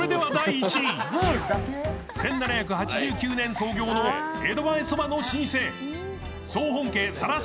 １７８９年創業の江戸前そばの老舗、総本家更科